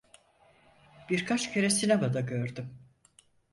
Birkaç kere sinemada gördüm.